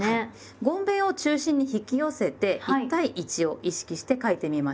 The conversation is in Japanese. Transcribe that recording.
ごんべんを中心に引き寄せて１対１を意識して書いてみましょう。